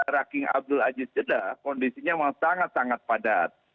raking abdul aziz jeddah kondisinya memang sangat sangat padat